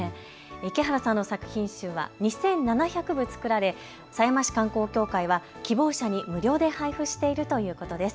池原さんの作品集は２７００部作られ狭山市観光協会は希望者に無料で配布しているということです。